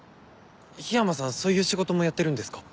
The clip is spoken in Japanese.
緋山さんそういう仕事もやってるんですか？